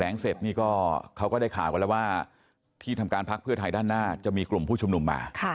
เสร็จนี่ก็เขาก็ได้ข่าวกันแล้วว่าที่ทำการพักเพื่อไทยด้านหน้าจะมีกลุ่มผู้ชุมนุมมา